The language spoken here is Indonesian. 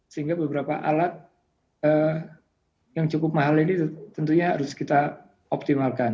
sehingga beberapa alat yang cukup mahal ini tentunya harus kita optimalkan